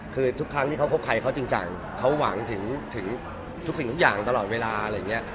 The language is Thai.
คือทุกครั้งที่เขาคบใครเขาจริงจังเขาหวังถึงทุกสิ่งทุกอย่างตลอดเวลาอะไรอย่างนี้